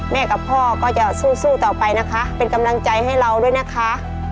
กับพ่อก็จะสู้ต่อไปนะคะเป็นกำลังใจให้เราด้วยนะคะ